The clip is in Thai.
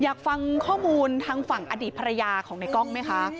อยากฟังข้อมูลทางฝั่งอดีตภรรยาของในกล้องไหมคะ